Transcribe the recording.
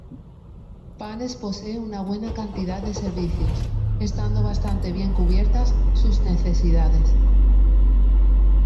Panes posee una buena cantidad de servicios, estando bastante bien cubiertas sus necesidades.